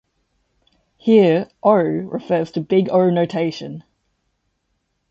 Here, "O" refers to Big O notation.